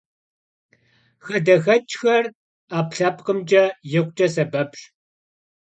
Xadexeç'xer 'epkhlhepkhımç'e yikhuç'e sebepş.